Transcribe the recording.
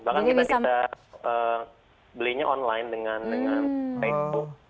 bahkan kita bisa belinya online dengan facebook